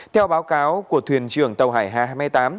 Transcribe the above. theo báo cáo của thuyền trưởng tàu hải hà hai mươi tám